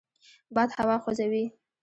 باد هوا خوځوي